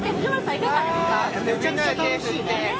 めちゃくちゃ楽しいね。